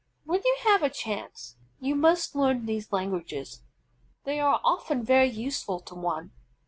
When you have a chance, you must learn these languages. They are often very useful to one.